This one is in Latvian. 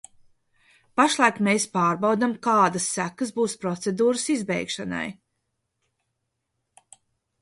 Pašlaik mēs pārbaudām, kādas sekas būs procedūras izbeigšanai.